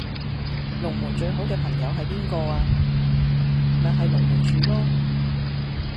龍門最好既朋友係邊個呀？咪係龍門柱囉